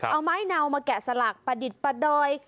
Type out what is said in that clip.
เอาไม้เนามาแกะสลักประดิษฐ์ประดอย